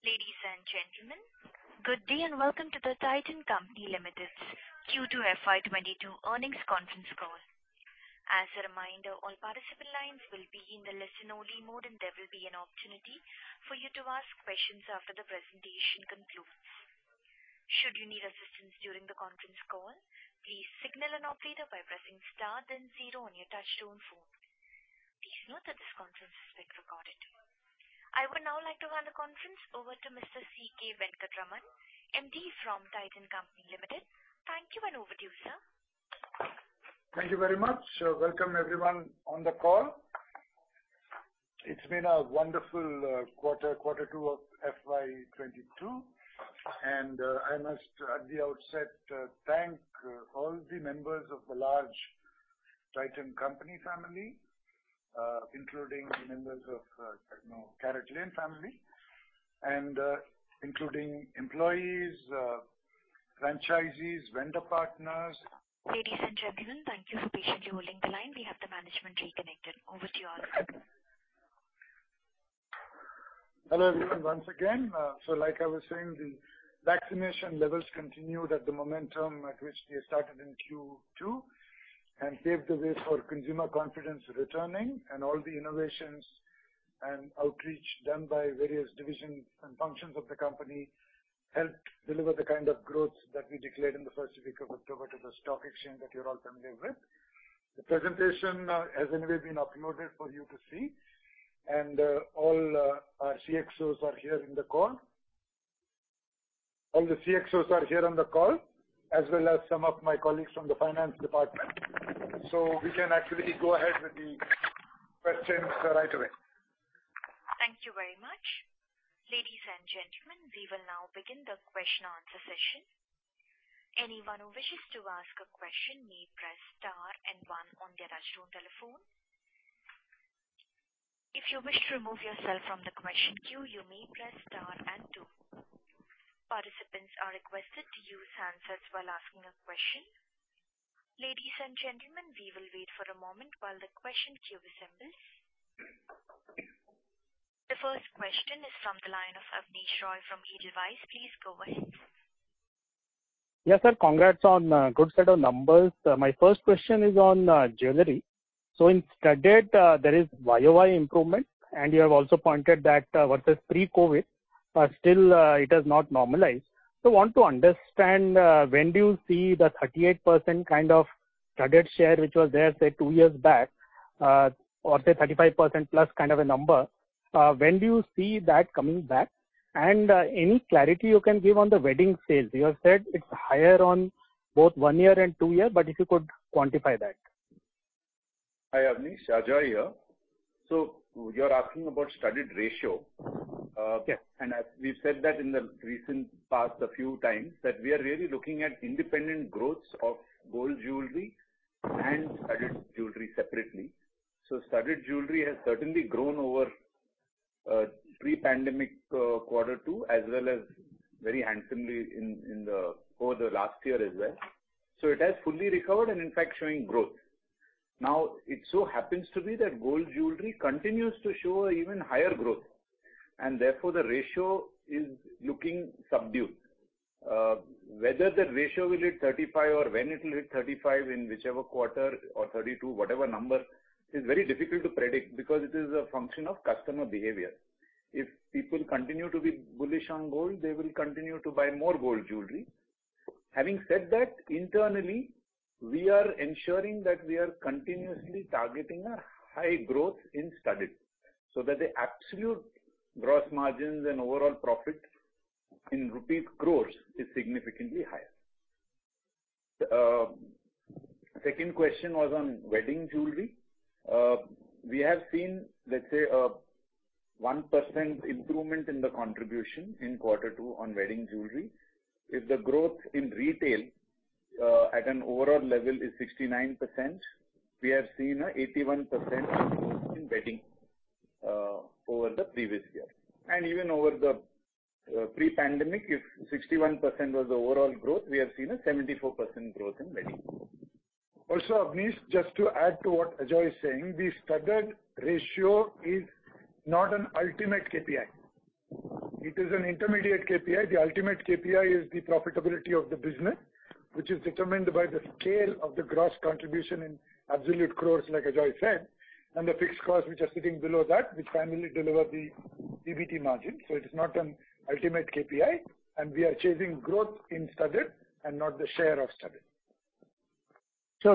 Ladies and gentlemen, good day and welcome to the Titan Company Limited's Q2 FY 2022 Earnings Conference Call. As a reminder, all participant lines will be in the listen-only mode, and there will be an opportunity for you to ask questions after the presentation concludes. Should you need assistance during the conference call, please signal an operator by pressing star then zero on your touchtone phone. Please note that this conference is being recorded. I would now like to hand the conference over to Mr. C. K. Venkataraman, MD from Titan Company Limited. Thank you, and over to you, sir. Thank you very much. Welcome everyone on the call. It's been a wonderful quarter two of FY 2022, and I must, at the outset, thank all the members of the large Titan Company family, including members of, you know, CaratLane family and, including employees, franchisees, vendor partners. Ladies and gentlemen, thank you for patiently holding the line. We have the management reconnected. Over to you all. Hello, everyone, once again. Like I was saying, the vaccination levels continued at the momentum at which we had started in Q2 and paved the way for consumer confidence returning. All the innovations and outreach done by various divisions and functions of the company helped deliver the kind of growth that we declared in the first week of October to the stock exchange that you're all familiar with. The presentation has anyway been uploaded for you to see. All the CXOs are here on the call, as well as some of my colleagues from the finance department. We can actually go ahead with the questions right away. Thank you very much. Ladies and gentlemen, we will now begin the question and answer session. Anyone who wishes to ask a question may press star and one on their touchtone telephone. If you wish to remove yourself from the question queue, you may press star and two. Participants are requested to use handsets while asking a question. Ladies and gentlemen, we will wait for a moment while the question queue assembles. The first question is from the line of Abneesh Roy from Edelweiss Securities. Please go ahead. Yes, sir. Congrats on a good set of numbers. My first question is on jewelry. In studded, there is Y-O-Y improvement, and you have also pointed that versus pre-COVID, still, it has not normalized. Want to understand, when do you see the 38% kind of studded share which was there, say, two years back, or say 35% plus kind of a number. When do you see that coming back? And any clarity you can give on the wedding sales. You have said it's higher on both one year and two years, but if you could quantify that. Hi, Abneesh. Ajoy here. You're asking about studded ratio. Yes. As we've said that in the recent past a few times, that we are really looking at independent growths of gold jewelry and studded jewelry separately. Studded jewelry has certainly grown over pre-pandemic quarter two as well as very handsomely over the last year as well. It has fully recovered and in fact showing growth. Now, it so happens to be that gold jewelry continues to show even higher growth, and therefore the ratio is looking subdued. Whether the ratio will hit 35 or when it will hit 35 in whichever quarter or 32, whatever number, is very difficult to predict because it is a function of customer behavior. If people continue to be bullish on gold, they will continue to buy more gold jewelry. Having said that, internally, we are ensuring that we are continuously targeting a high growth in studded so that the absolute gross margins and overall profit in rupees crores is significantly higher. Second question was on wedding jewelry. We have seen, let's say, a 1% improvement in the contribution in Q2 on wedding jewelry. If the growth in retail at an overall level is 69%, we have seen an 81% growth in wedding over the previous year. Even over the pre-pandemic, if 61% was the overall growth, we have seen a 74% growth in wedding. Abneesh, just to add to what Ajoy is saying, the studded ratio is not an ultimate KPI. It is an intermediate KPI. The ultimate KPI is the profitability of the business, which is determined by the scale of the gross contribution in absolute crores, like Ajoy said, and the fixed costs which are sitting below that, which finally deliver the EBIT margin. It is not an ultimate KPI, and we are chasing growth in studded and not the share of studded.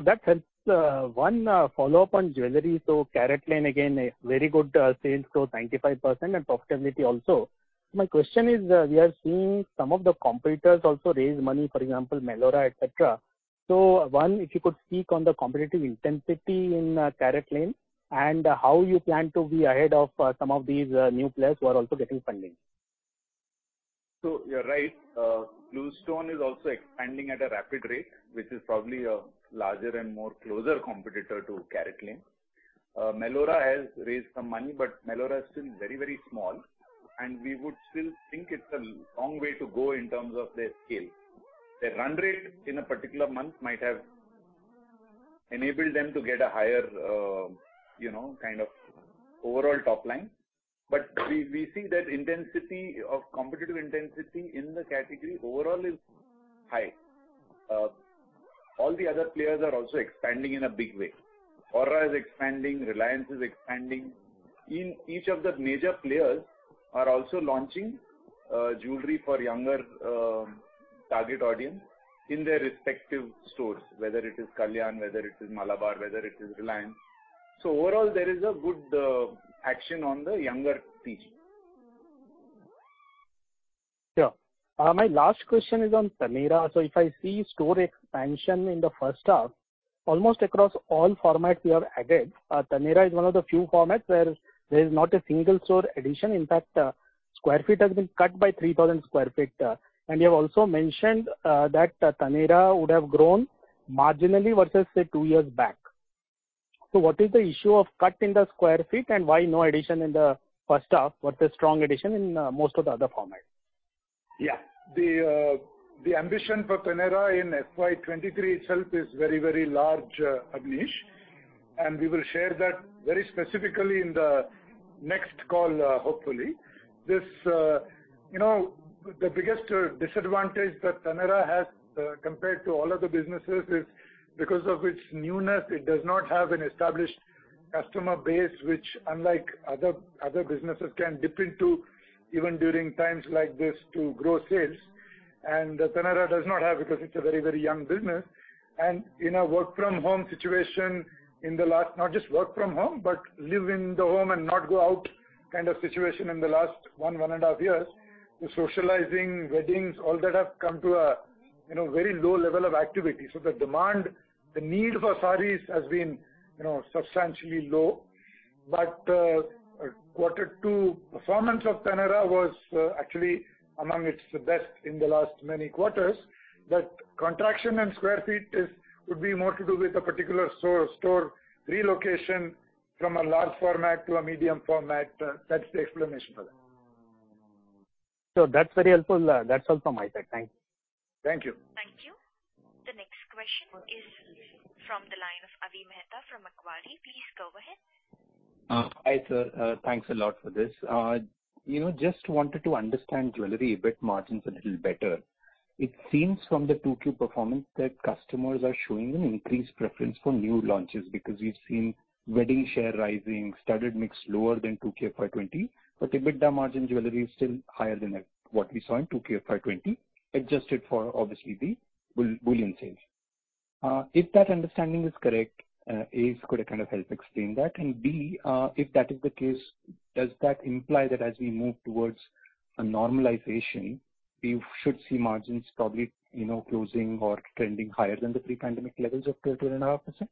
That helps. One follow-up on jewelry. CaratLane, again, a very good sales growth, 95%, and profitability also. My question is, we are seeing some of the competitors also raise money, for example, Melorra, et cetera. One, if you could speak on the competitive intensity in CaratLane and how you plan to be ahead of some of these new players who are also getting funding. You're right. BlueStone is also expanding at a rapid rate, which is probably a larger and much closer competitor to CaratLane. Melorra has raised some money, but Melorra is still very, very small, and we would still think it's a long way to go in terms of their scale. Their run rate in a particular month might have enabled them to get a higher, you know, kind of overall top line. We think that intensity of competition in the category overall is high. All the other players are also expanding in a big way. ORRA is expanding, Reliance is expanding. Each of the major players are also launching, jewelry for younger, target audience in their respective stores, whether it is Kalyan, whether it is Malabar, whether it is Reliance. Overall, there is a good action on the younger piece. Sure. My last question is on Taneira. If I see store expansion in the first half, almost across all formats you have added, Taneira is one of the few formats where there is not a single store addition. In fact, square feet has been cut by 3,000 sq ft. You have also mentioned that Taneira would have grown marginally versus, say, two years back. What is the issue of cut in the square feet and why no addition in the first half, but a strong addition in most of the other formats? Yeah. The ambition for Taneira in FY 2023 itself is very, very large, Abneesh, and we will share that very specifically in the next call, hopefully. This, you know, the biggest disadvantage that Taneira has compared to all other businesses is because of its newness. It does not have an established customer base, which unlike other businesses can dip into even during times like this to grow sales. Taneira does not have because it's a very, very young business. In a work from home situation in the last one and a half years, not just work from home, but live in the home and not go out kind of situation, the socializing, weddings, all that have come to a, you know, very low level of activity. The demand, the need for sarees has been, you know, substantially low. Quarter two performance of Taneira was actually among its best in the last many quarters. That contraction in sq ft could be more to do with a particular store relocation from a large format to a medium format. That's the explanation for that. That's very helpful. That's all from my side. Thank you. Thank you. Thank you. The next question is from the line of Avi Mehta from Macquarie. Please go ahead. Hi, sir. Thanks a lot for this. You know, just wanted to understand jewelry EBIT margins a little better. It seems from the two key performance that customers are showing an increased preference for new launches because we've seen wedding share rising, studded mix lower than pre-COVID FY 2020, but EBITDA margin jewelry is still higher than what we saw in pre-COVID FY 2020, adjusted for obviously the bullion sales. If that understanding is correct, A, could it kinda help explain that? B, if that is the case, does that imply that as we move towards a normalization, we should see margins probably, you know, closing or trending higher than the pre-pandemic levels of 2%-2.5%?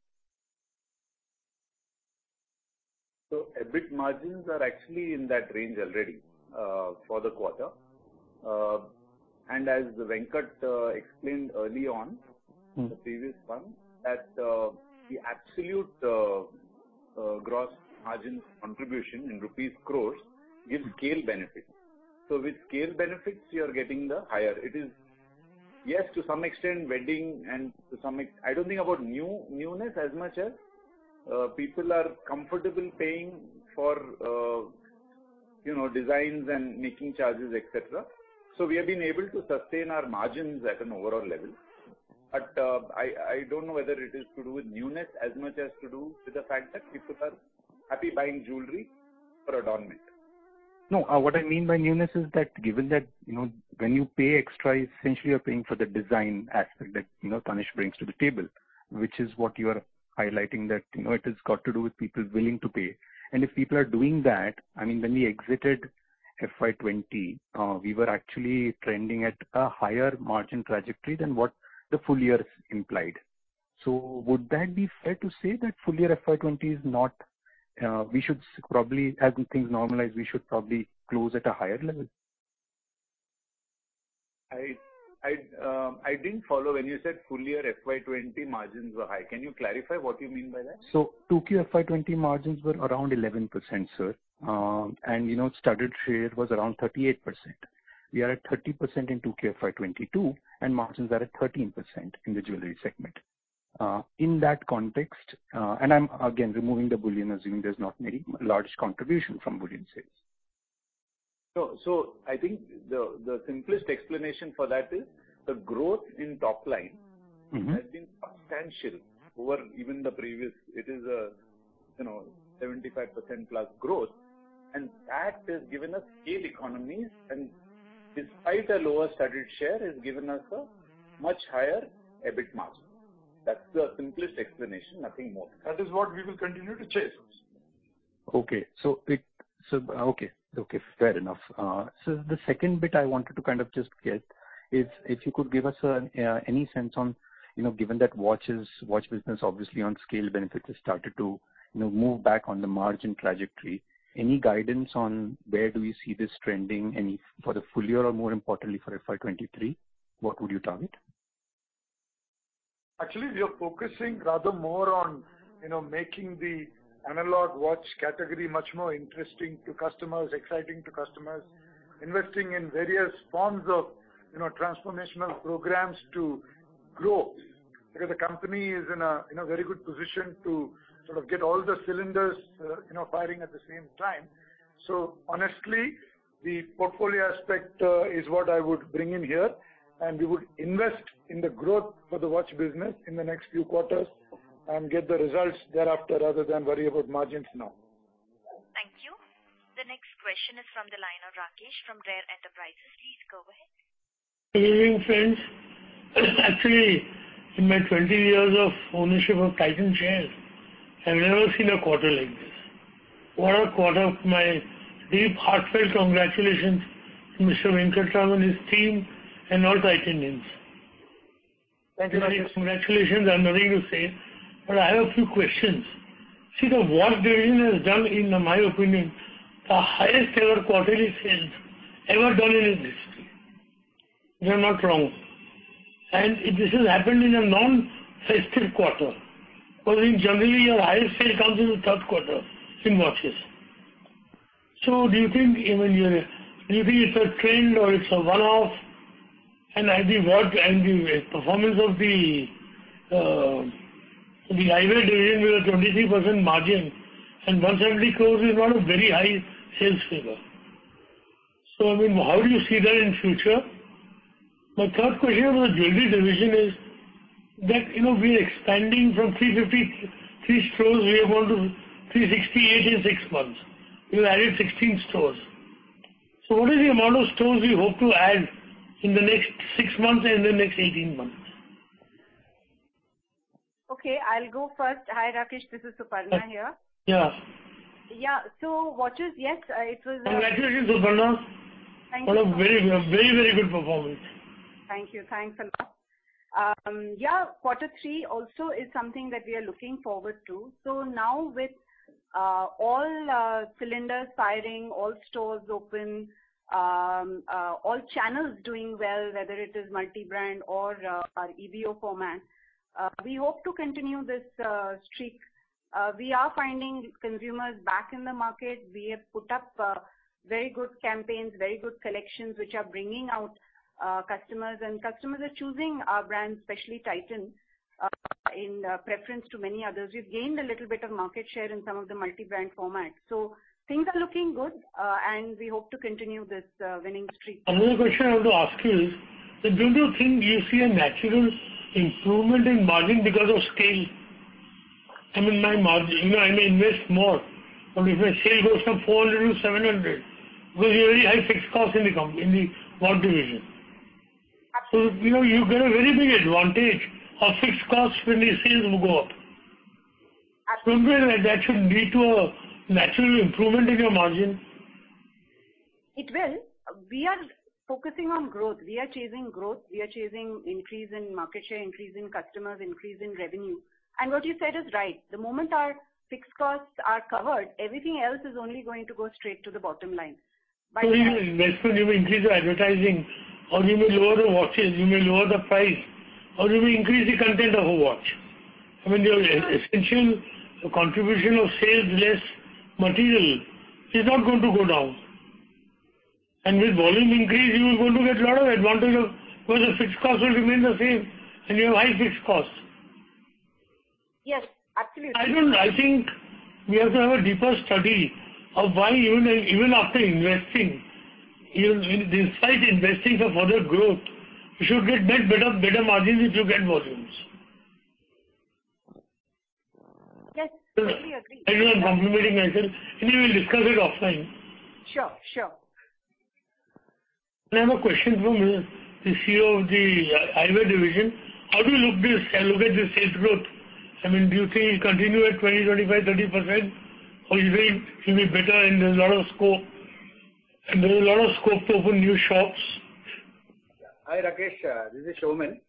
EBIT margins are actually in that range already for the quarter. As Venkat explained early on. Mm-hmm. The previous one, that the absolute gross margin contribution in rupees crores gives scale benefit. With scale benefits, you're getting the higher. It is, yes, to some extent wedding and to some extent. I don't think about newness as much as people are comfortable paying for, you know, designs and making charges, et cetera. We have been able to sustain our margins at an overall level. I don't know whether it is to do with newness as much as to do with the fact that people are happy buying jewelry for adornment. No, what I mean by newness is that given that, you know, when you pay extra, essentially you're paying for the design aspect that, you know, Tanishq brings to the table, which is what you are highlighting that, you know, it has got to do with people willing to pay. If people are doing that, I mean, when we exited FY 2020, we were actually trending at a higher margin trajectory than what the full year implied. Would that be fair to say that full year FY 2020 is not, we should probably, as things normalize, we should probably close at a higher level? I didn't follow when you said full year FY 2020 margins were high. Can you clarify what you mean by that? FY 2020 margins were around 11%, sir. You know, studded share was around 38%. We are at 30% in FY 2022, and margins are at 13% in the jewelry segment. In that context, I'm again removing the bullion, assuming there's not many large contribution from bullion sales. I think the simplest explanation for that is the growth in top line. Mm-hmm. Has been substantial over even the previous. It is, you know, 75% plus growth. That has given us scale economies, and despite a lower studded share, has given us a much higher EBIT margin. That's the simplest explanation, nothing more. That is what we will continue to chase. Okay, fair enough. The second bit I wanted to kind of just get is if you could give us any sense on, you know, given that watches, watch business obviously on scale benefits has started to, you know, move back on the margin trajectory. Any guidance on where do you see this trending and for the full year or more importantly for FY 2023, what would you target? Actually, we are focusing rather more on You know, making the analog watch category much more interesting to customers, exciting to customers, investing in various forms of, you know, transformational programs to grow. Because the company is in a very good position to sort of get all the cylinders, you know, firing at the same time. Honestly, the portfolio aspect is what I would bring in here, and we would invest in the growth for the watch business in the next few quarters and get the results thereafter rather than worry about margins now. Thank you. The next question is from the line of Rakesh from RARE Enterprises. Please go ahead. Good evening, friends. Actually, in my 20 years of ownership of Titan shares, I've never seen a quarter like this. What a quarter. My deep heartfelt congratulations to Mr. C. K. Venkataraman and his team and all Titanians. Thank you, Rakesh. Congratulations are nothing to say, but I have a few questions. See, the watch division has done, in my opinion, the highest ever quarterly sales ever done in history. If I'm not wrong. This has happened in a non-festive quarter. Because in general your highest sale comes in the third quarter in watches. So do you think, I mean, do you think it's a trend or it's a one-off? Has the work and the performance of the eyewear division with a 23% margin and 170 crore is not a very high sales figure. So, I mean, how do you see that in future? My third question on the jewelry division is that, you know, we're expanding from 353 stores, we are going to 368 in six months. You added 16 stores. What is the amount of stores you hope to add in the next six months and the next 18 months? Okay, I'll go first. Hi, Rakesh, this is Suparna here. Yeah. Yeah. Watches, yes, it was. Congratulations, Suparna. Thank you. What a very good performance. Thank you. Thanks a lot. Yeah, quarter three also is something that we are looking forward to. Now with all cylinders firing, all stores open, all channels doing well, whether it is multi-brand or our EBO format, we hope to continue this streak. We are finding consumers back in the market. We have put up very good campaigns, very good collections, which are bringing out customers. Customers are choosing our brand, especially Titan, in preference to many others. We've gained a little bit of market share in some of the multi-brand formats. Things are looking good, and we hope to continue this winning streak. Another question I want to ask you is, do you think you see a natural improvement in margin because of scale? I mean, my margin, you know, I may invest more, but if my sale goes from 400 to 700, because you already have fixed costs in the watch division. Ab- You know, you get a very big advantage of fixed costs when the sales go up. Ab- Don't you feel like that should lead to a natural improvement in your margin? It will. We are focusing on growth. We are chasing growth. We are chasing increase in market share, increase in customers, increase in revenue. What you said is right. The moment our fixed costs are covered, everything else is only going to go straight to the bottom line. You invest when you increase your advertising, or you may lower the watches, or you may lower the price, or you may increase the content of a watch. I mean, your essential contribution of sales, less material, is not going to go down. With volume increase, you are going to get a lot of advantage because the fixed cost will remain the same, and you have high fixed costs. Yes, absolutely. I think we have to have a deeper study of why even after investing, even despite investing for further growth, you should get better margins if you get volumes. Yes. Completely agree. I know I'm complicating myself. Anyway, we'll discuss it offline. Sure, sure. I have a question from the CEO of the Eyewear Division. How do you look at this sales growth? I mean, do you think it'll continue at 20%, 25%, 30%? Or you think it'll be better and there's a lot of scope to open new shops? Hi, Rakesh, this is Saumen.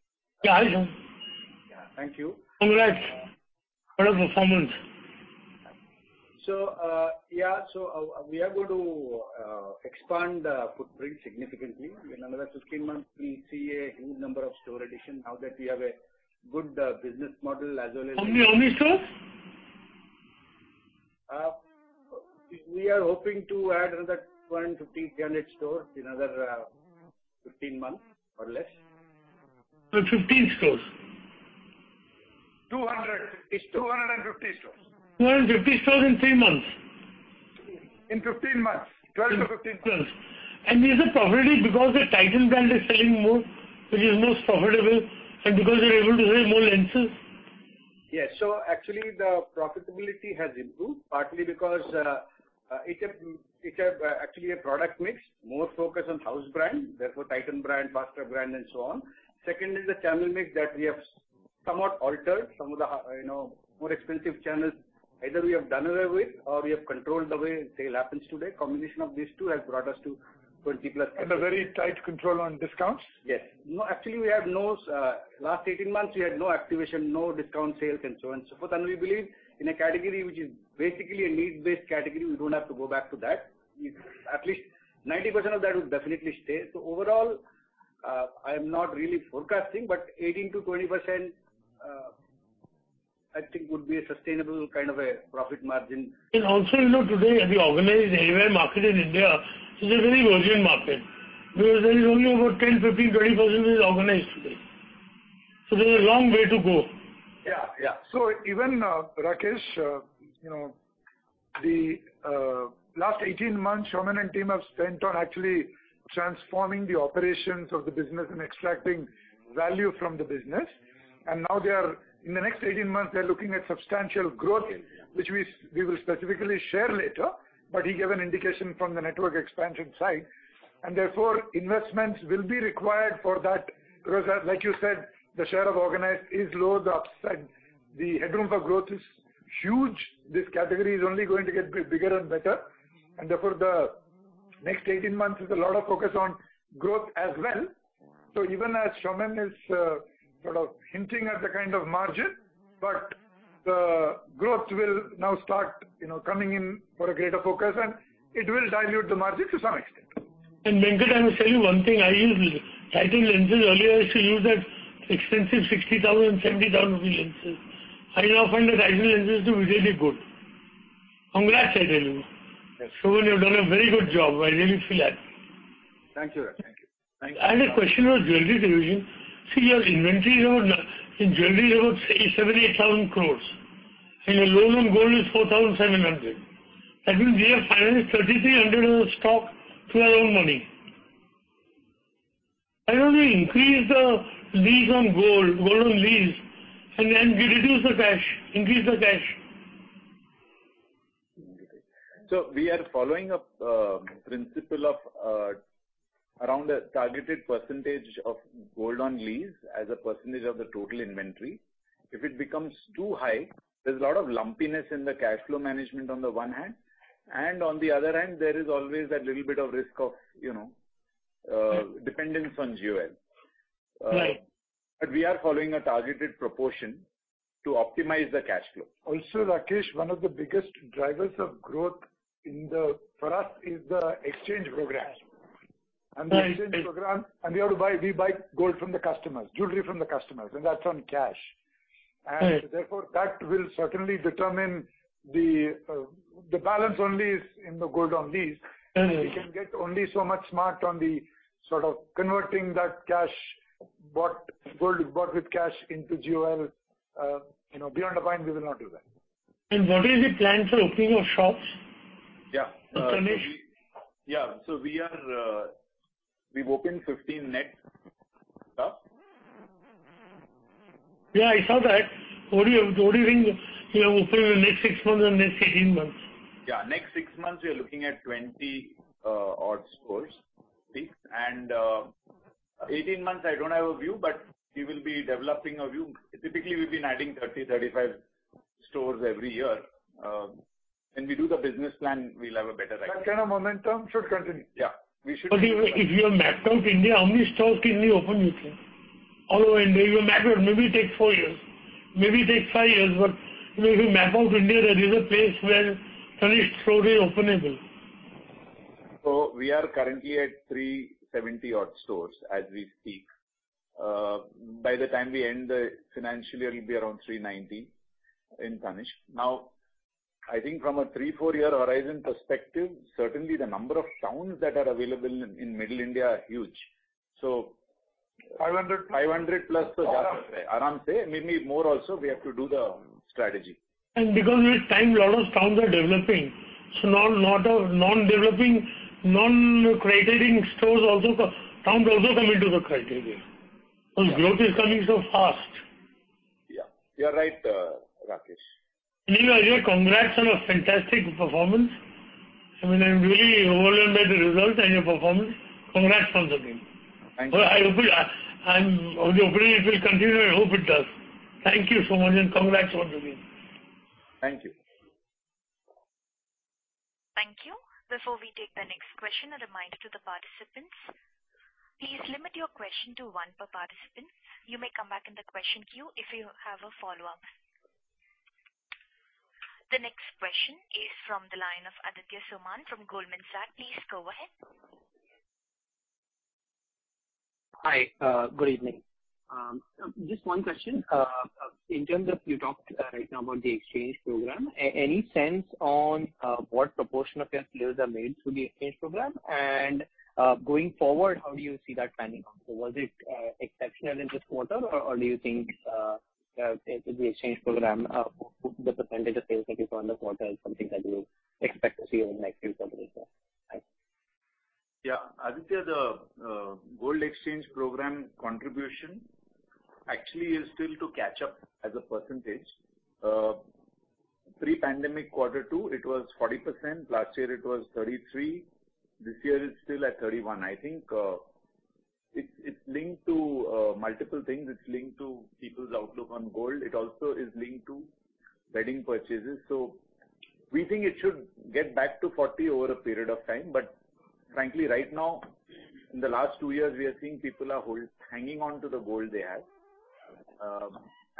Yeah. Hi, Saumen. Thank you. Congrats. What a performance. We are going to expand the footprint significantly. In another 15 months, we see a huge number of store addition now that we have a good business model as well as How many stores? We are hoping to add another 150 stores-200 stores in another 15 months or less. 15 months? 200. It's 250 stores. 250 stores in three months? In 15 months. 12 months-15 months. In 12. Is it probably because the Titan brand is selling more, which is most profitable, and because you're able to sell more lenses? Yes. Actually the profitability has improved, partly because it has actually a product mix, more focused on house brand, therefore Titan brand, Fastrack brand and so on. Second is the channel mix that we have somewhat altered. Some of the, you know, more expensive channels, either we have done away with or we have controlled the way sale happens today. Combination of these two has brought us to 20 plus. A very tight control on discounts? Yes. No, actually, in the last 18 months, we had no activation, no discount sales and so on and so forth. We believe in a category which is basically a need-based category. We don't have to go back to that. At least 90% of that would definitely stay. Overall I am not really forecasting, but 18%-20%, I think would be a sustainable kind of a profit margin. You know, today the organized eyewear market in India is a very virgin market because there is only about 10%, 15%, 20% is organized today. There's a long way to go. Even Rakesh, you know, the last 18 months, Saumen Bhaumik and team have spent on actually transforming the operations of the business and extracting value from the business. Mm-hmm. In the next 18 months, they're looking at substantial growth. Yeah. which we will specifically share later. He gave an indication from the network expansion side, and therefore investments will be required for that, because, like you said, the share of organized is low, the upside, the headroom for growth is huge. This category is only going to get bigger and better. Mm-hmm. Therefore the next 18 months is a lot of focus on growth as well. Mm-hmm. Even as Saumen Bhaumik is sort of hinting at the kind of margin, but the growth will now start, you know, coming in for a greater focus, and it will dilute the margin to some extent. C. K. Venkataraman, I will tell you one thing, I use Titan lenses. Earlier I used to use that expensive 60,000-70,000 rupee lenses. I now find that Titan lenses to be really good. Congrats, I tell you. Yes. Saumen, you have done a very good job. I really feel happy. Thank you. I had a question about jewelry division. See, your inventory in jewelry is about 7,000-8,000 crore, and your loan on gold is 4,700. That means we have financed 3,300 of stock through our own money. Why don't we increase the lease on gold, and then we reduce the cash, increase the cash? We are following a principle of around a targeted percentage of gold on lease as a percentage of the total inventory. If it becomes too high, there's a lot of lumpiness in the cash flow management on the one hand, and on the other hand, there is always that little bit of risk of, you know, Yes. dependence on GOL. Right. We are following a targeted proportion to optimize the cash flow. Also, Rakesh, one of the biggest drivers of growth for us is the exchange program. Right. The exchange program, we buy gold from the customers, jewelry from the customers, and that's on cash. Right. That will certainly determine the balance on lease in the gold on lease. Mm-hmm. We can get only so much smart on the sort of converting that cash bought, gold bought with cash into GOL. You know, beyond a point we will not do that. What is the plan for opening of shops? Yeah. Tanishq. We've opened 15 net shops. Yeah, I saw that. What do you think you have opened in the next six months and next 18 months? Next six months, we are looking at 20-odd stores. 18 months, I don't have a view, but we will be developing a view. Typically, we've been adding 30-35 stores every year. When we do the business plan, we'll have a better idea. That kind of momentum should continue. Yeah. If you have mapped out India, how many stores can you open, you think? All over India, you map out. Maybe it takes four years, maybe it takes five years. When you map out India, there is a place where Tanishq store is openable. We are currently at 370-odd stores as we speak. By the time we end the financial year, it'll be around 390 in Tanishq. Now, I think from a three to four-year horizon perspective, certainly the number of towns that are available in middle India are huge. 500. 500 plus. Maybe more also. We have to do the strategy. Because with time a lot of towns are developing, lot of non-metro, non-tier stores also, smaller towns also come into the picture. Yes. Growth is coming so fast. Yeah. You are right, Rakesh. You know what? Congrats on a fantastic performance. I mean, I'm really overwhelmed by the results and your performance. Congrats on the team. Thank you. I'm of the opinion it will continue, and I hope it does. Thank you so much, and congrats on the win. Thank you. Thank you. Before we take the next question, a reminder to the participants, please limit your question to one per participant. You may come back in the question queue if you have a follow-up. The next question is from the line of Aditya Soman from Goldman Sachs. Please go ahead. Hi. Good evening. Just one question. In terms of you talked right now about the exchange program. Any sense on what proportion of your sales are made through the exchange program? Going forward, how do you see that panning out? Was it exceptional in this quarter, or do you think the exchange program the percentage of sales that you saw in the quarter is something that you expect to see over the next few quarters as well? Thanks. Yeah. Aditya, the gold exchange program contribution actually is still to catch up as a percentage. Pre-pandemic Q2, it was 40%. Last year it was 33%. This year it's still at 31%, I think. It's linked to multiple things. It's linked to people's outlook on gold. It also is linked to wedding purchases. We think it should get back to 40% over a period of time. Frankly, right now, in the last two years, we are seeing people are hanging on to the gold they have.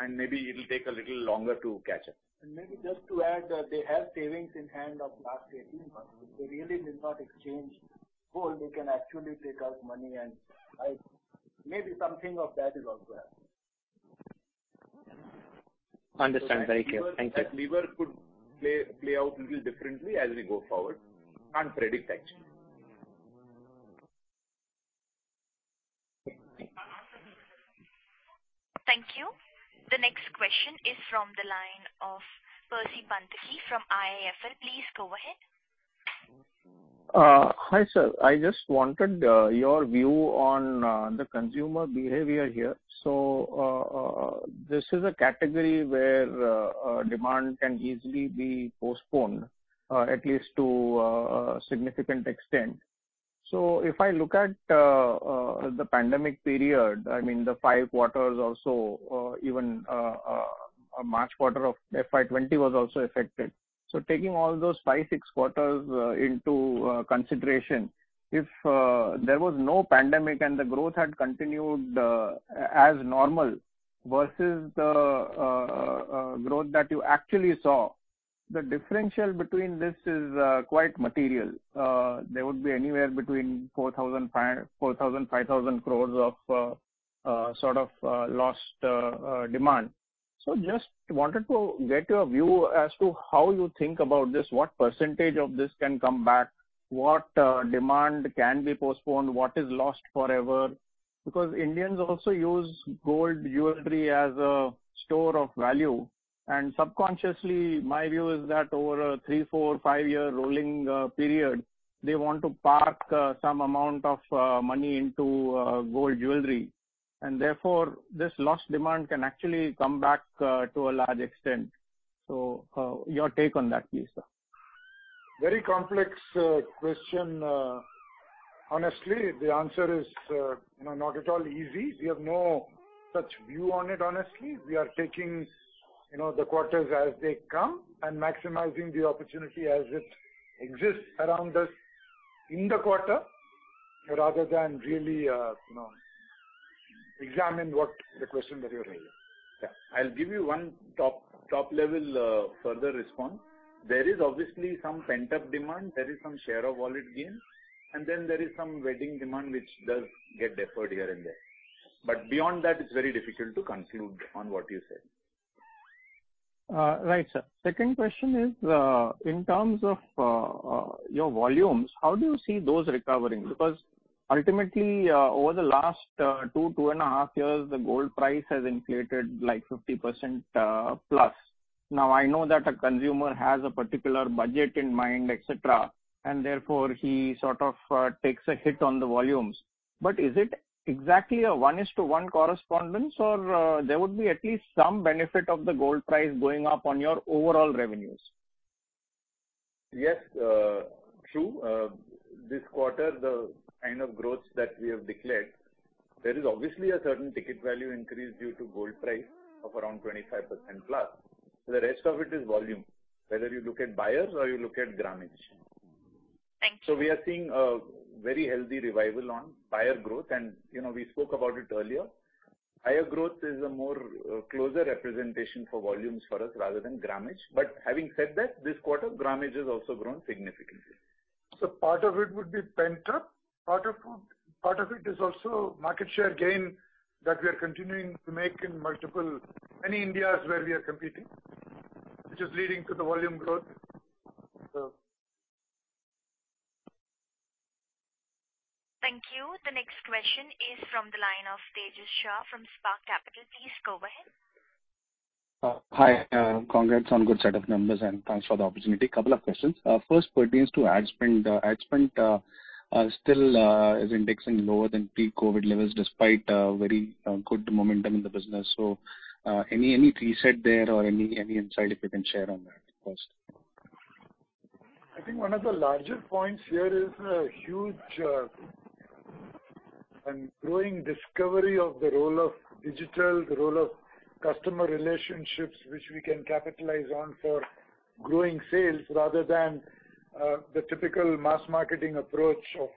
Maybe it'll take a little longer to catch up. Maybe just to add, they have savings in hand of last 18 months. If they really did not exchange gold, they can actually take out money and maybe something of that is also happening. Understand. Very clear. Thank you. That lever could play out a little differently as we go forward. Can't predict actually. Thank you. The next question is from the line of Percy Panthaki from IIFL. Please go ahead. Hi, sir. I just wanted your view on the consumer behavior here. This is a category where demand can easily be postponed, at least to a significant extent. If I look at the pandemic period, I mean, the five quarters or so, even March quarter of FY 2020 was also affected. Taking all those five, six quarters into consideration, if there was no pandemic and the growth had continued as normal versus the growth that you actually saw, the differential between this is quite material. They would be anywhere between 4,000 crores-5,000 crores of sort of lost demand. Just wanted to get your view as to how you think about this. What percentage of this can come back? What, demand can be postponed? What is lost forever? Because Indians also use gold jewelry as a store of value, and subconsciously, my view is that over a three, four, five-year rolling, period, they want to park, some amount of, money into, gold jewelry. And therefore, this lost demand can actually come back, to a large extent. Your take on that, please, sir. Very complex question. Honestly, the answer is, you know, not at all easy. We have no such view on it, honestly. We are taking, you know, the quarters as they come and maximizing the opportunity as it exists around us in the quarter rather than really, you know, examine what the question that you're raising. Yeah. I'll give you one top-level further response. There is obviously some pent-up demand. There is some share of wallet gains. And then there is some wedding demand which does get deferred here and there. Beyond that, it's very difficult to conclude on what you said. Right, sir. Second question is, in terms of your volumes, how do you see those recovering? Because ultimately, over the last two to two and a half years, the gold price has inflated, like, 50% plus. Now I know that a consumer has a particular budget in mind, et cetera, and therefore he sort of takes a hit on the volumes. But is it exactly a one-to-one correspondence or there would be at least some benefit of the gold price going up on your overall revenues? Yes, true. This quarter, the kind of growth that we have declared, there is obviously a certain ticket value increase due to gold price of around 25% plus. The rest of it is volume, whether you look at buyers or you look at grammage. Thank you. We are seeing a very healthy revival on buyer growth, and, you know, we spoke about it earlier. Higher growth is a more closer representation for volumes for us rather than grammage. Having said that, this quarter grammage has also grown significantly. Part of it would be pent up. Part of it is also market share gain that we are continuing to make in multiple mini Indias where we are competing, which is leading to the volume growth. Thank you. The next question is from the line of Tejas Shah from Spark Capital. Please go ahead. Hi. Congrats on good set of numbers, and thanks for the opportunity. Couple of questions. First pertains to ad spend. Ad spend still is indexing lower than pre-COVID levels despite very good momentum in the business. Any reset there or any insight if you can share on that, of course. I think one of the larger points here is a huge and growing discovery of the role of digital, the role of customer relationships, which we are capitalizing on for growing sales rather than the typical mass marketing approach of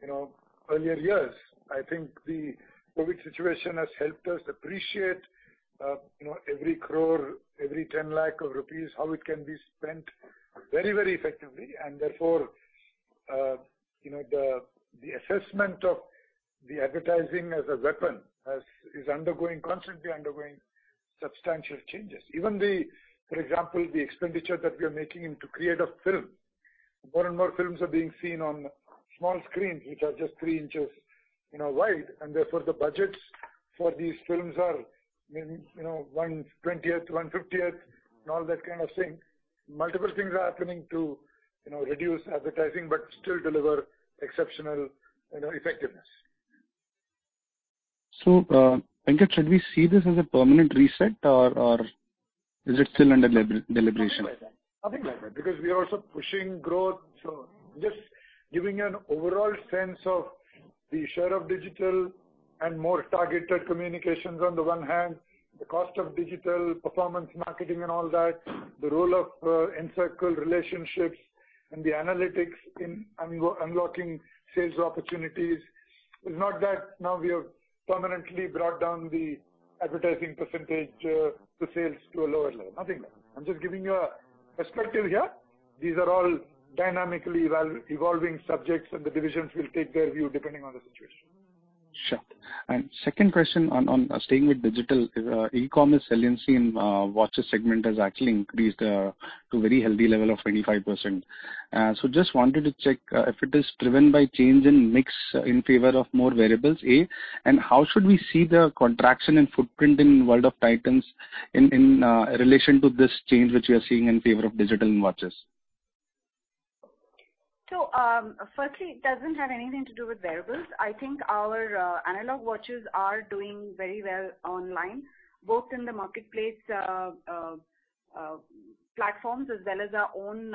you know, earlier years. I think the COVID situation has helped us appreciate you know, every 1 crore, every 10 lakh of rupees, how it can be spent very, very effectively. Therefore, the assessment of the advertising as a weapon is constantly undergoing substantial changes. Even, for example, the expenditure that we are making into creative film. More and more films are being seen on small screens, which are just three inches you know, wide, and therefore the budgets for these films are you know, 120th to 150th and all that kind of thing. Multiple things are happening to, you know, reduce advertising but still deliver exceptional, you know, effectiveness. Venkat, should we see this as a permanent reset or is it still under deliberation? Nothing like that. Nothing like that because we are also pushing growth. Just giving you an overall sense of the share of digital and more targeted communications on the one hand, the cost of digital performance marketing and all that, the role of Encircle relationships and the analytics in unlocking sales opportunities is not that now we have permanently brought down the advertising percentage to sales to a lower level, nothing like that. I'm just giving you a perspective here. These are all dynamically evolving subjects, and the divisions will take their view depending on the situation. Sure. Second question on staying with digital, e-commerce saliency in watches segment has actually increased to a very healthy level of 25%. Just wanted to check if it is driven by change in mix in favor of more variables and how should we see the contraction in footprint in World of Titan in relation to this change which we are seeing in favor of digital in watches? First, it doesn't have anything to do with wearables. I think our analog watches are doing very well online, both in the marketplace platforms as well as our own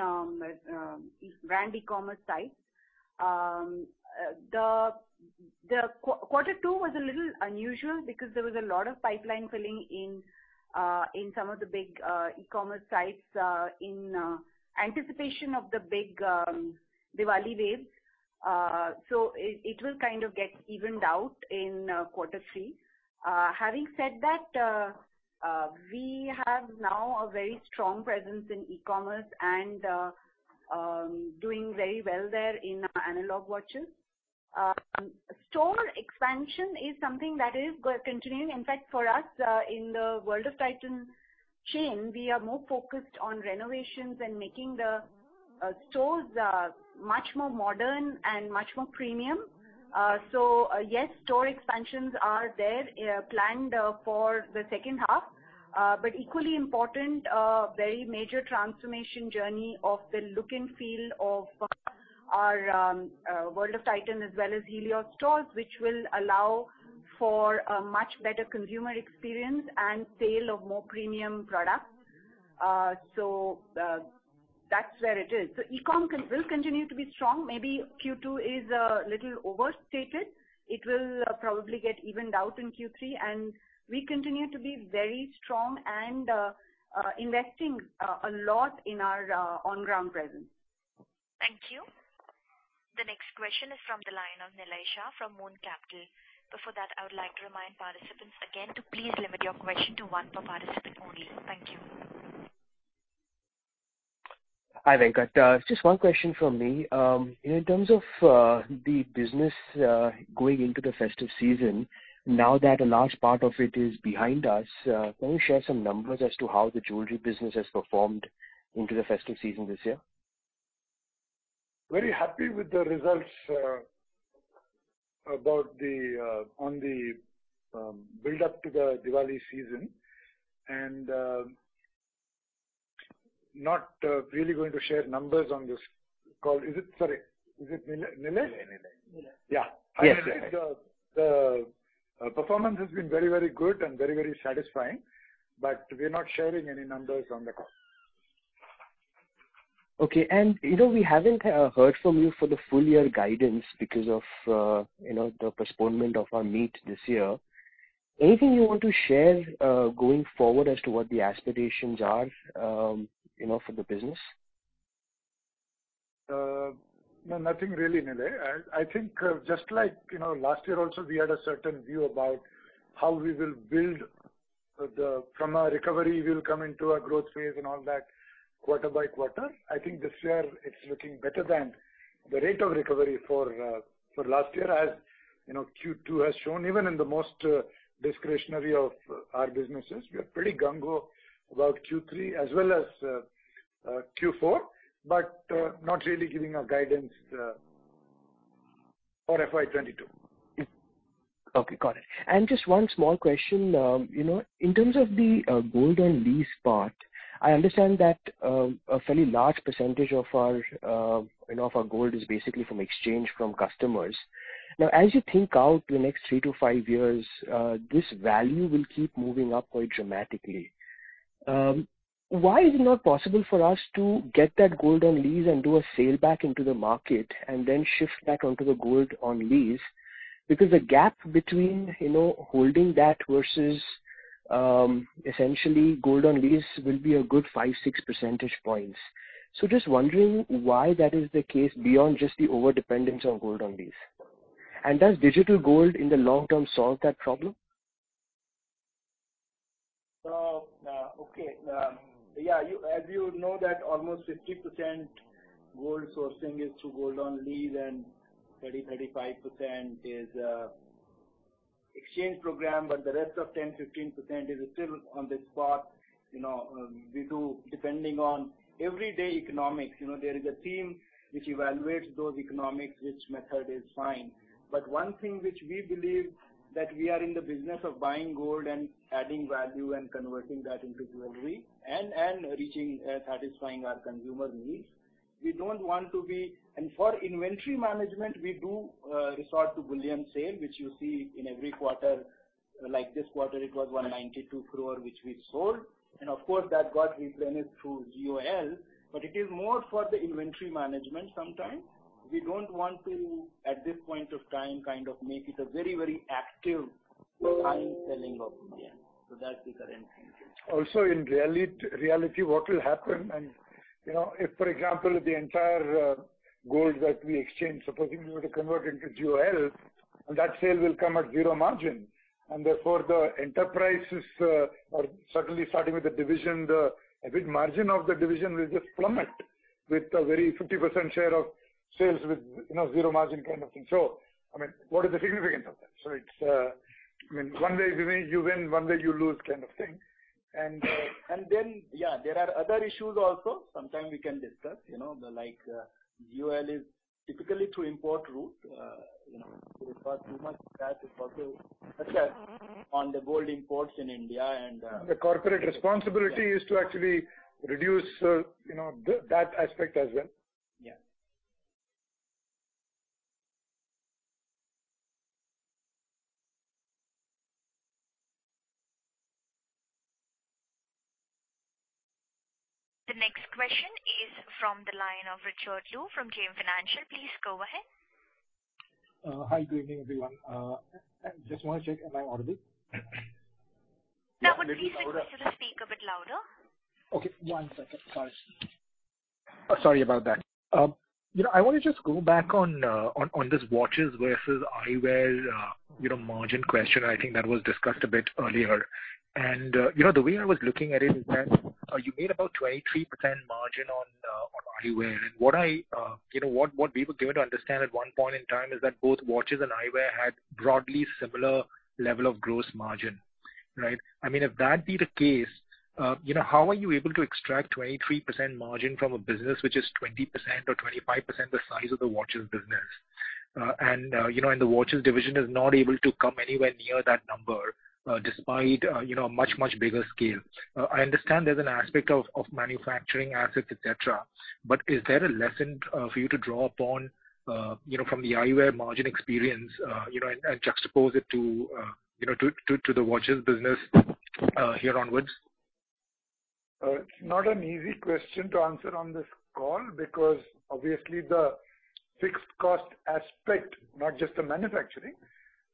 brand e-commerce sites. The quarter two was a little unusual because there was a lot of pipeline filling in some of the big e-commerce sites in anticipation of the big Diwali wave. It will kind of get evened out in quarter three. Having said that, we have now a very strong presence in e-commerce and doing very well there in analog watches. Store expansion is something that is continuing. In fact, for us, in the World of Titan chain, we are more focused on renovations and making the stores much more modern and much more premium. Yes, store expansions are there, planned for the second half. Equally important, very major transformation journey of the look and feel of our World of Titan as well as Helios stores, which will allow for a much better consumer experience and sale of more premium products. That's where it is. E-com will continue to be strong. Maybe Q2 is a little overstated. It will probably get evened out in Q3, and we continue to be very strong and investing a lot in our on ground presence. Thank you. The next question is from the line of Nillai Shah from Moon Capital. Before that, I would like to remind participants again to please limit your question to one per participant only. Thank you. Hi, Venkat. Just one question from me. In terms of the business going into the festive season, now that a large part of it is behind us, can you share some numbers as to how the jewelry business has performed into the festive season this year? Very happy with the results about the build up to the Diwali season. Not really going to share numbers on this call. Is it? Sorry, is it Nillai? Yeah, Nillai. Yeah. Yes, sir. The performance has been very, very good and very, very satisfying, but we're not sharing any numbers on the call. Okay. You know, we haven't heard from you for the full year guidance because of, you know, the postponement of our meet this year. Anything you want to share, going forward as to what the aspirations are, you know, for the business? No, nothing really, Nillai. I think just like, you know, last year also, we had a certain view about how we will build from a recovery, we'll come into a growth phase and all that quarter-by-quarter. I think this year it's looking better than the rate of recovery for last year. As you know, Q2 has shown even in the most discretionary of our businesses, we are pretty gung-ho about Q3 as well as Q4, but not really giving a guidance for FY 2022. Okay, got it. Just one small question. You know, in terms of the gold on lease part, I understand that a fairly large percentage of our you know, of our gold is basically from exchange from customers. Now, as you think out the next three to five years, this value will keep moving up quite dramatically. Why is it not possible for us to get that gold on lease and do a sale back into the market and then shift back onto the gold on lease? Because the gap between you know, holding that versus essentially gold on lease will be a good five, six percentage points. Just wondering why that is the case beyond just the overdependence on gold on lease. Does digital gold in the long term solve that problem? As you know that almost 50% gold sourcing is through gold on lease and 30%-35% is exchange program, but the rest of 10%-15% is still on the spot. You know, we do depending on everyday economics. You know, there is a team which evaluates those economics, which method is fine. But one thing which we believe that we are in the business of buying gold and adding value and converting that into jewelry and reaching and satisfying our consumer needs. We don't want to be. For inventory management, we do resort to bullion sale, which you see in every quarter. Like this quarter, it was 192 crore which we sold. Of course, that got replenished through GOL. But it is more for the inventory management sometimes. We don't want to, at this point of time, kind of make it a very, very active. High selling in India. That's the current situation. In reality, what will happen, you know, if, for example, the entire gold that we exchange, supposing we were to convert into GHS, and that sale will come at zero margin, and therefore the enterprise, or certainly starting with the division, the EBIT margin of the division will just plummet with a very 50% share of sales with, you know, zero margin kind of thing. I mean, what is the significance of that? It's, I mean, one way you win, one way you lose kind of thing. There are other issues also. Someday we can discuss the GHS is typically through import route. It requires too much on the gold imports in India and The corporate responsibility is to actually reduce, you know, that aspect as well. Yeah. The next question is from the line of Richard Liu from JM Financial. Please go ahead. Hi, good evening, everyone. I just want to check, am I audible? Now please, could you speak a bit louder? Okay, one second. Sorry. Sorry about that. You know, I wanna just go back on this watches versus eyewear, you know, margin question. I think that was discussed a bit earlier. You know, the way I was looking at it is that you made about 23% margin on eyewear. What we were given to understand at one point in time is that both watches and eyewear had broadly similar level of gross margin, right? I mean, if that be the case, you know, how are you able to extract 23% margin from a business which is 20% or 25% the size of the watches business? The watches division is not able to come anywhere near that number, despite a much bigger scale. I understand there's an aspect of manufacturing assets, et cetera. Is there a lesson for you to draw upon, you know, from the eyewear margin experience, you know, and juxtapose it to the watches business here onwards? It's not an easy question to answer on this call because obviously the fixed cost aspect, not just the manufacturing,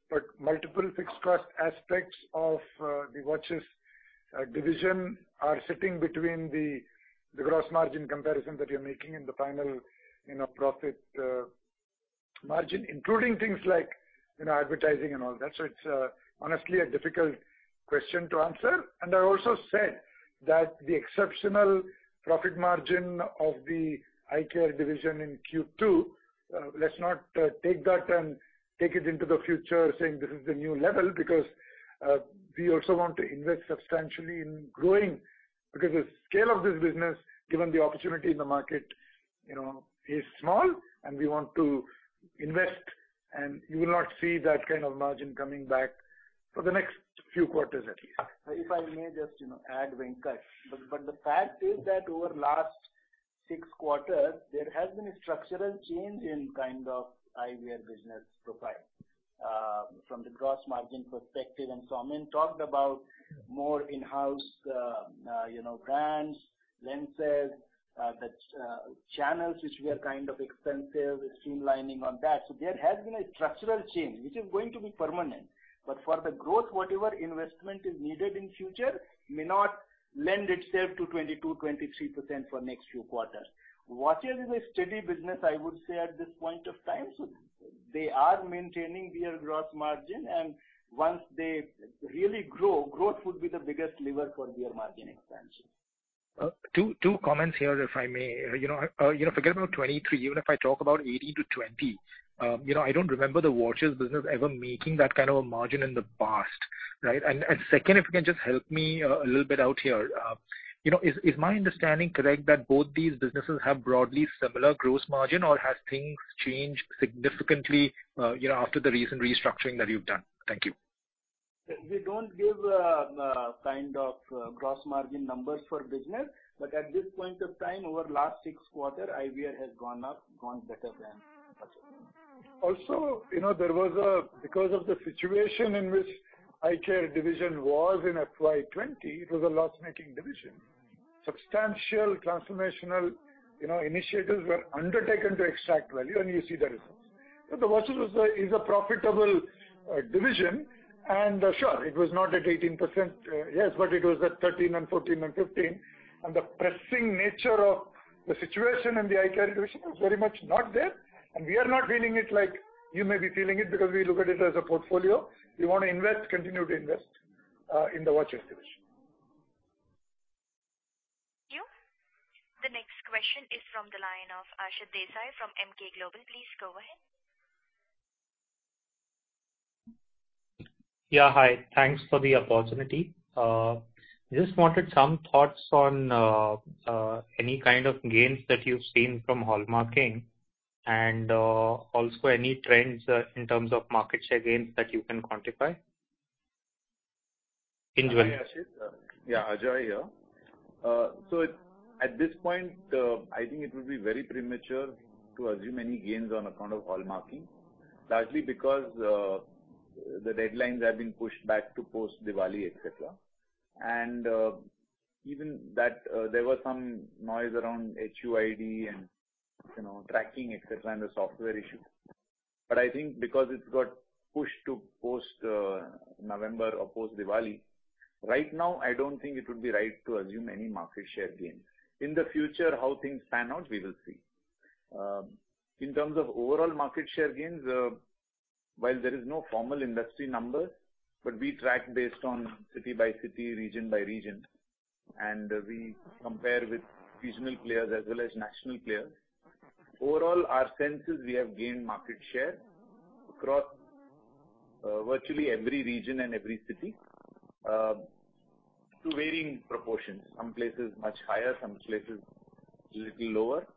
but multiple fixed cost aspects of the watches division are sitting between the gross margin comparison that you're making and the final, you know, profit margin, including things like, you know, advertising and all that. It's honestly a difficult question to answer. I also said that the exceptional profit margin of the eye care division in Q2, let's not take that and take it into the future saying this is the new level because we also want to invest substantially in growing because the scale of this business, given the opportunity in the market, you know, is small and we want to invest, and you will not see that kind of margin coming back for the next few quarters at least. If I may just, you know, add, Venkat. The fact is that over last six quarters, there has been a structural change in kind of eyewear business profile, from the gross margin perspective, and Saumen talked about more in-house, you know, brands, lenses, the channels which were kind of expensive, streamlining on that. There has been a structural change which is going to be permanent. For the growth, whatever investment is needed in future may not lend itself to 22%-23% for next few quarters. Watches is a steady business, I would say, at this point of time, so they are maintaining their gross margin and once they really grow, growth would be the biggest lever for their margin expansion. Two comments here if I may. You know, you know, forget about 2023. Even if I talk about 2018-2020, you know, I don't remember the watches business ever making that kind of a margin in the past, right? Second, if you can just help me a little bit out here. You know, is my understanding correct that both these businesses have broadly similar gross margin or has things changed significantly, you know, after the recent restructuring that you've done? Thank you. We don't give kind of gross margin numbers for business, but at this point of time, over last six quarter, eyewear has gone up, gone better than watches. Also, you know, there was because of the situation in which Eye Care Division was in FY 2020, it was a loss-making division. Substantial transformational, you know, initiatives were undertaken to extract value and you see the results. The Watches Division is a profitable division and sure it was not at 18%. Yes, but it was at 13% and 14% and 15% and the pressing nature of the situation in the Eye Care Division was very much not there and we are not feeling it like you may be feeling it because we look at it as a portfolio. We want to invest, continue to invest, in the Watches Division. Thank you. The next question is from the line of Ashit Desai from Emkay Global. Please go ahead. Yeah, hi. Thanks for the opportunity. Just wanted some thoughts on any kind of gains that you've seen from hallmarking and also any trends in terms of market share gains that you can quantify? Hi, Ashit. Yeah, Ajoy Chawla here. At this point, I think it would be very premature to assume any gains on account of hallmarking, largely because the deadlines have been pushed back to post Diwali, et cetera. Even that, there was some noise around HUID and You know, tracking, et cetera, and the software issue. I think because it's got pushed to post November or post Diwali, right now, I don't think it would be right to assume any market share gains. In the future, how things pan out, we will see. In terms of overall market share gains, while there is no formal industry number, but we track based on city by city, region by region, and we compare with regional players as well as national players. Overall, our sense is we have gained market share across, virtually every region and every city, to varying proportions. Some places much higher, some places little lower.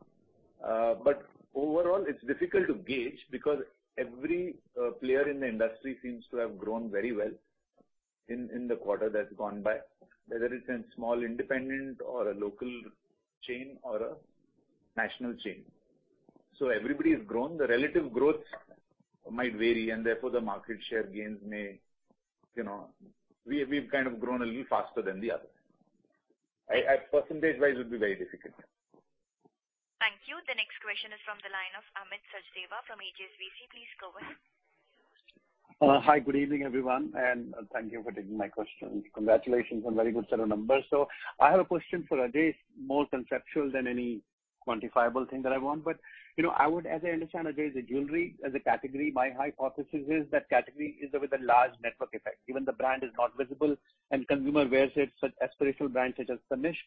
Overall, it's difficult to gauge because every player in the industry seems to have grown very well in the quarter that's gone by, whether it's a small independent or a local chain or a national chain. Everybody has grown. The relative growth might vary, and therefore, the market share gains may, you know, we've kind of grown a little faster than the other. Percentage-wise, it would be very difficult. Thank you. The next question is from the line of Amit Sachdeva from HSBC. Please go ahead. Hi. Good evening, everyone, and thank you for taking my question. Congratulations on very good set of numbers. I have a question for Ajoy. It's more conceptual than any quantifiable thing that I want. You know, as I understand, Ajoy, the jewelry as a category, my hypothesis is that category is with a large network effect, even the brand is not visible and consumer wears it, such aspirational brand such as Tanishq.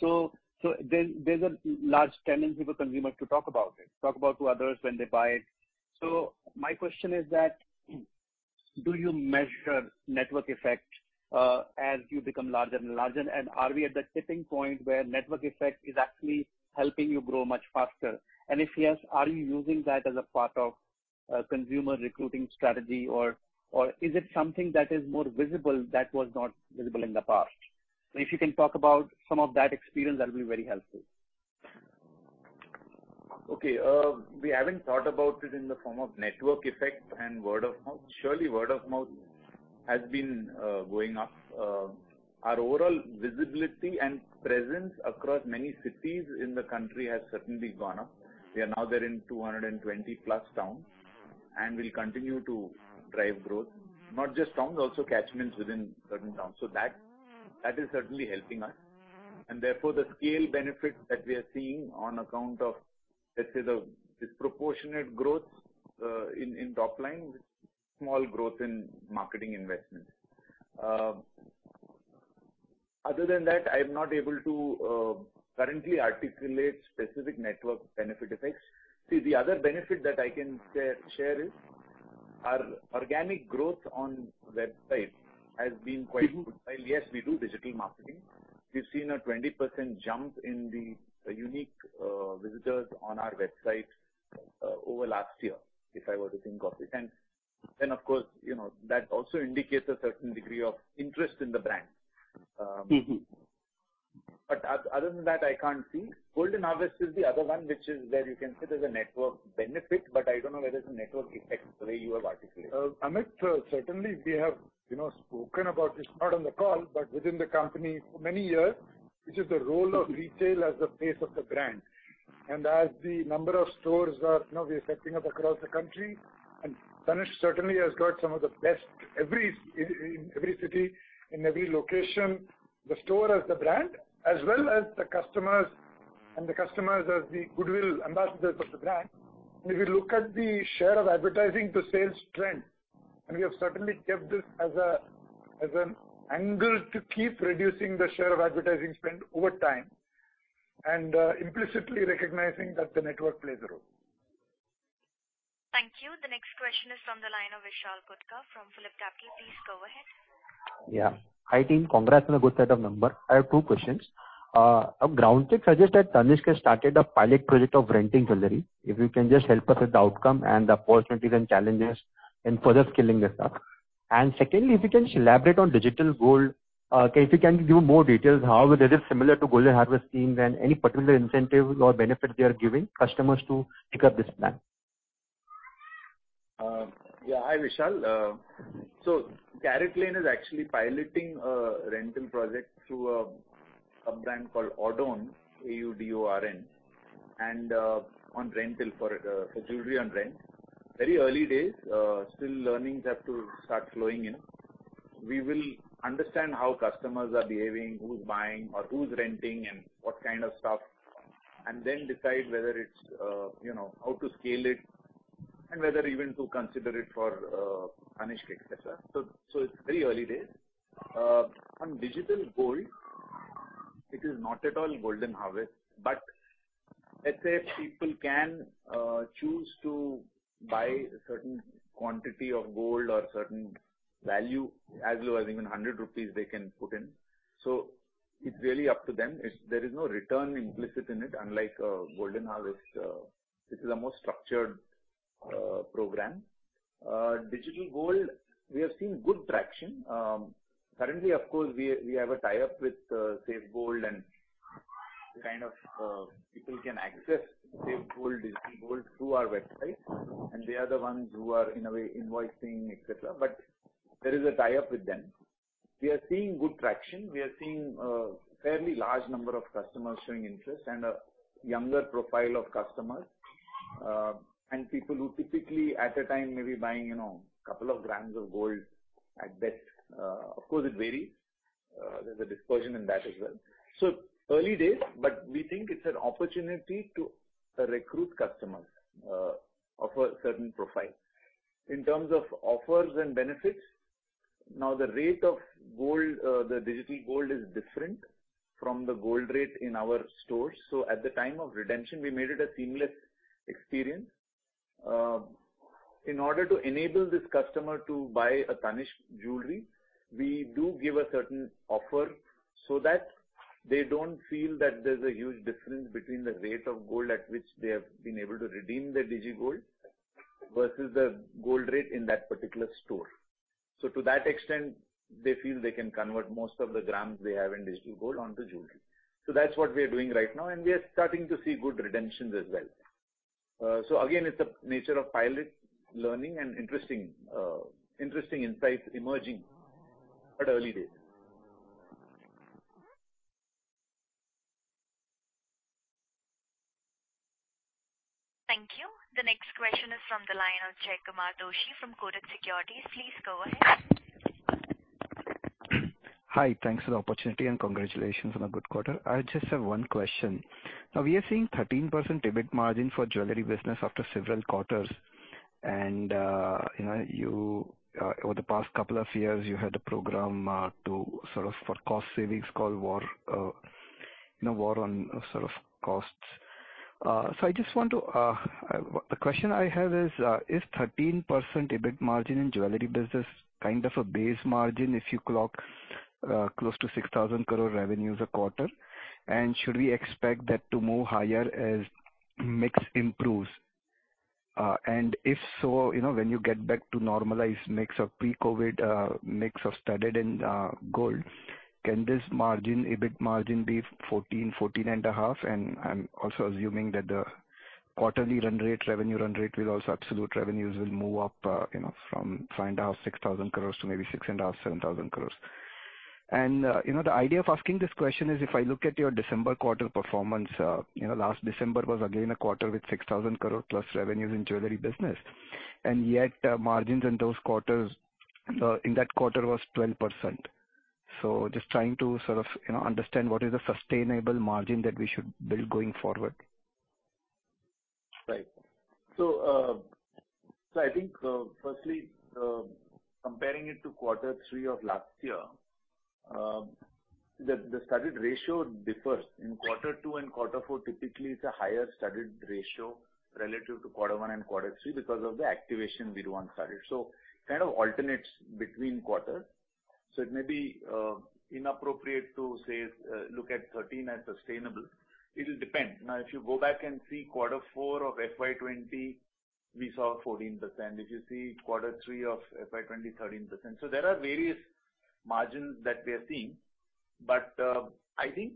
There, there's a large tendency for consumer to talk about it to others when they buy it. My question is that, do you measure network effect as you become larger and larger? And are we at the tipping point where network effect is actually helping you grow much faster? If yes, are you using that as a part of a consumer recruiting strategy, or is it something that is more visible that was not visible in the past? If you can talk about some of that experience, that'll be very helpful. Okay. We haven't thought about it in the form of network effect and word of mouth. Surely, word of mouth has been going up. Our overall visibility and presence across many cities in the country has certainly gone up. We are now there in 220 plus towns, and we'll continue to drive growth. Not just towns, also catchments within certain towns. So that is certainly helping us. Therefore, the scale benefits that we are seeing on account of, let's say, the disproportionate growth in top line with small growth in marketing investments. Other than that, I'm not able to currently articulate specific network benefit effects. See, the other benefit that I can share is our organic growth on website has been quite good. While, yes, we do digital marketing, we've seen a 20% jump in the unique visitors on our website over last year, if I were to think of it. Of course, you know, that also indicates a certain degree of interest in the brand. Mm-hmm. Other than that, I can't see. Golden Harvest is the other one which is where you can say there's a network benefit, but I don't know whether it's a network effect the way you have articulated. Amit, certainly we have, you know, spoken about this, not on the call, but within the company for many years, which is the role of retail as the face of the brand. As the number of stores are, you know, we are setting up across the country, and Tanishq certainly has got some of the best in every city, in every location. The store as the brand, as well as the customers as the goodwill ambassadors of the brand. If you look at the share of advertising to sales trend, we have certainly kept this as an angle to keep reducing the share of advertising spend over time, implicitly recognizing that the network plays a role. Thank you. The next question is from the line of Vishal Gutka from PhillipCapital. Please go ahead. Hi, team. Congrats on a good set of numbers. I have two questions. A ground check suggests that Tanishq has started a pilot project of renting jewelry. If you can just help us with the outcome and the opportunities and challenges in further scaling this up. Secondly, if you can elaborate on digital gold. If you can give more details how this is similar to Golden Harvest scheme and any particular incentives or benefits they are giving customers to pick up this plan. Hi, Vishal. CaratLane is actually piloting a rental project through a brand called AuDorn, A-U-D-O-R-N, and on rental for jewelry on rent. Very early days. Still learnings have to start flowing in. We will understand how customers are behaving, who's buying or who's renting and what kind of stuff, and then decide whether it's how to scale it and whether even to consider it for Tanishq, etc. It's very early days. On digital gold, it is not at all Golden Harvest, but let's say people can choose to buy a certain quantity of gold or certain value, as low as even 100 rupees they can put in. It's really up to them. There is no return implicit in it, unlike Golden Harvest. This is a more structured program. Digital gold, we have seen good traction. Currently, of course, we have a tie-up with SafeGold and kind of people can access SafeGold digital gold through our website, and they are the ones who are, in a way, invoicing, et cetera. There is a tie-up with them. We are seeing good traction. We are seeing a fairly large number of customers showing interest and a younger profile of customers, and people who typically at the time may be buying, you know, a couple of grams of gold at best. Of course, it varies. There's a dispersion in that as well. Early days, but we think it's an opportunity to recruit customers of a certain profile. In terms of offers and benefits, now, the rate of gold, the digital gold is different from the gold rate in our stores. At the time of redemption, we made it a seamless experience. In order to enable this customer to buy a Tanishq jewelry, we do give a certain offer so that they don't feel that there's a huge difference between the rate of gold at which they have been able to redeem their DigiGold versus the gold rate in that particular store. To that extent, they feel they can convert most of the grams they have in DigiGold onto jewelry. That's what we are doing right now, and we are starting to see good redemptions as well. Again, it's the nature of pilot learning and interesting insights emerging, but early days. Thank you. The next question is from the line of Jaykumar Doshi from Kotak Securities. Please go ahead. Hi. Thanks for the opportunity and congratulations on a good quarter. I just have one question. Now, we are seeing 13% EBIT margin for jewelry business after several quarters. you know, over the past couple of years, you had a program for cost savings called War on Costs. I just want to. The question I have is 13% EBIT margin in jewelry business kind of a base margin if you clock close to 6,000 crore revenues a quarter? Should we expect that to move higher as mix improves? if so, you know, when you get back to normalized mix of pre-COVID mix of studded and gold, can this EBIT margin be 14%-14.5%? I'm also assuming that absolute revenues will move up from 5,500 crores-6,000 crores to maybe 6,500-7,000 crores. The idea of asking this question is, if I look at your December quarter performance, last December was again a quarter with 6,000 crores plus revenues in jewelry business and yet margins in that quarter was 12%. Just trying to sort of understand what is the sustainable margin that we should build going forward. Right. I think firstly, comparing it to quarter three of last year, the studded ratio differs. In quarter two and quarter four, typically it's a higher studded ratio relative to quarter one and quarter three because of the activation we do on studded. It kind of alternates between quarters. It may be inappropriate to say look at 13% as sustainable. It'll depend. Now, if you go back and see quarter four of FY 2020, we saw 14%. If you see quarter three of FY 2020, 13%. So there are various margins that we are seeing. I think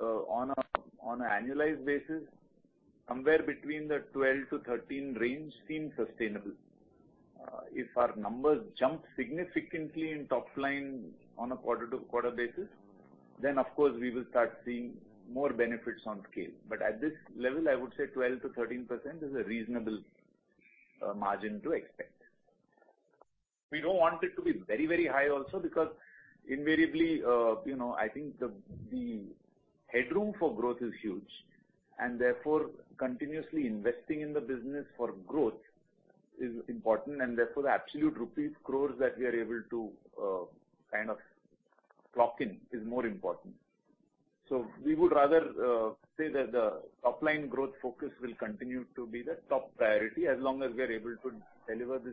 on an annualized basis, somewhere between the 12%-13% range seem sustainable. If our numbers jump significantly in top line on a quarter-to-quarter basis, then of course we will start seeing more benefits on scale. At this level, I would say 12%-13% is a reasonable margin to expect. We don't want it to be very, very high also because invariably, you know, I think the headroom for growth is huge, and therefore continuously investing in the business for growth is important, and therefore the absolute rupees crores that we are able to kind of clock in is more important. We would rather say that the top-line growth focus will continue to be the top priority. As long as we are able to deliver this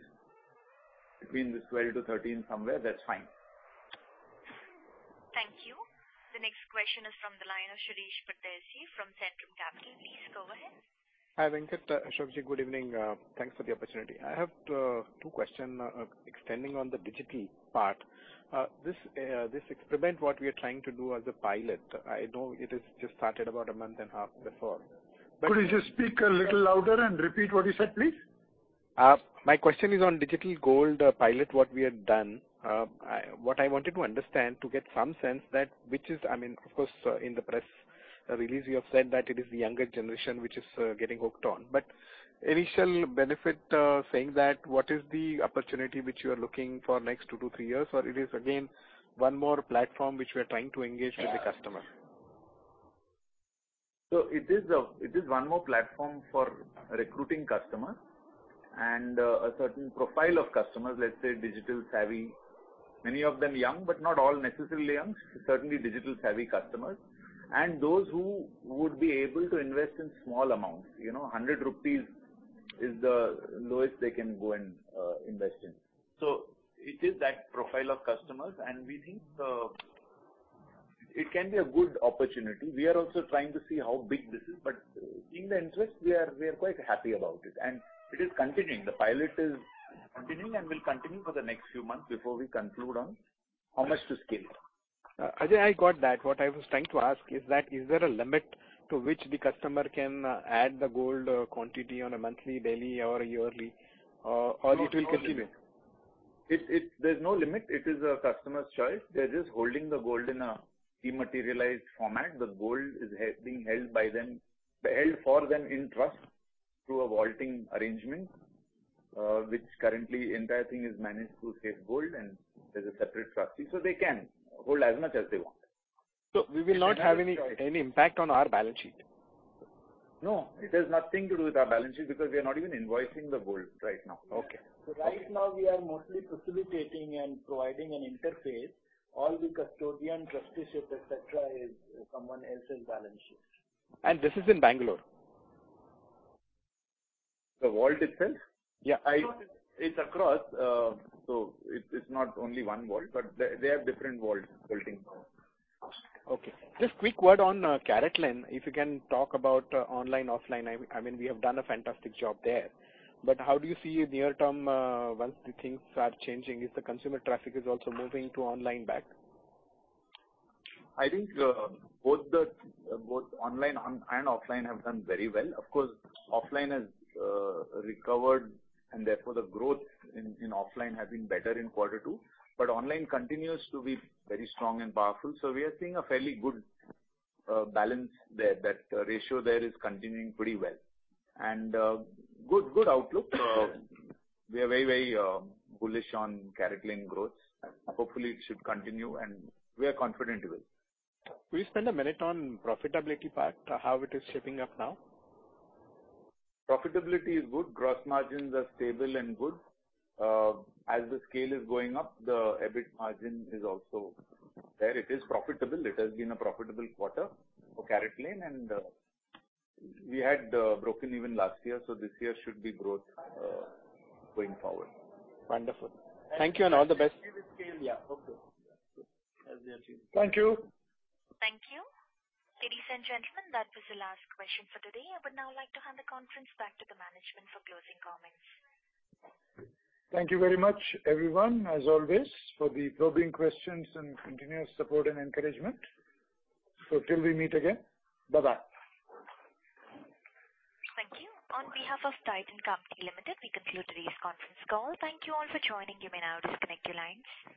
between 12%-13% somewhere, that's fine. Thank you. The next question is from the line of Shirish Pardeshi from Centrum Broking. Please go ahead. Hi, Venkat, Ajoy, good evening. Thanks for the opportunity. I have two question, extending on the digital part. This experiment, what we are trying to do as a pilot, I know it is just started about a month and a half before. Could you just speak a little louder and repeat what you said, please? My question is on Digital Gold pilot, what we had done. What I wanted to understand to get some sense that which is. I mean, of course, in the press release you have said that it is the younger generation which is getting hooked on. Initial benefit, saying that, what is the opportunity which you are looking for next two to three years? Or it is again, one more platform which we are trying to engage with the customer? It is one more platform for recruiting customers and a certain profile of customers, let's say digital-savvy. Many of them young, but not all necessarily young. Certainly digital-savvy customers. And those who would be able to invest in small amounts. You know, 100 rupees is the lowest they can go and invest in. It is that profile of customers, and we think it can be a good opportunity. We are also trying to see how big this is, but in the interim we are quite happy about it, and it is continuing. The pilot is continuing and will continue for the next few months before we conclude on how much to scale. Ajoy, I got that. What I was trying to ask is that is there a limit to which the customer can add the gold quantity on a monthly, daily or yearly or it will continue? No, it's. There's no limit. It is a customer's choice. They're just holding the gold in a dematerialized format. The gold is being held by them, held for them in trust through a vaulting arrangement, which currently entire thing is managed through SafeGold and there's a separate trustee, so they can hold as much as they want. We will not have any impact on our balance sheet? No, it has nothing to do with our balance sheet because we are not even invoicing the gold right now. Okay. Right now we are mostly facilitating and providing an interface. All the custodian trusteeship, et cetera, is someone else's balance sheet. This is in Bangalore? The vault itself? Yeah. It's across, so it's not only one vault, but they have different vaulting Okay. Just quick word on CaratLane. If you can talk about online, offline. I mean, we have done a fantastic job there. But how do you see near term, once the things start changing, if the consumer traffic is also moving to online back? I think both online and offline have done very well. Of course, offline has recovered and therefore the growth in offline has been better in quarter two. Online continues to be very strong and powerful, so we are seeing a fairly good balance there. That ratio there is continuing pretty well and good outlook. We are very bullish on CaratLane growth. Hopefully it should continue and we are confident with. Could you spend a minute on profitability part, how it is shaping up now? Profitability is good. Gross margins are stable and good. As the scale is going up, the EBIT margin is also there. It is profitable. It has been a profitable quarter for CaratLane, and we had broken even last year, so this year should be growth going forward. Wonderful. Thank you and all the best. Yeah. Okay. Thank you. Thank you. Ladies and gentlemen, that was the last question for today. I would now like to hand the conference back to the management for closing comments. Thank you very much, everyone, as always, for the probing questions and continuous support and encouragement. Till we meet again, bye-bye. Thank you. On behalf of Titan Company Limited, we conclude today's conference call. Thank you all for joining. You may now disconnect your lines.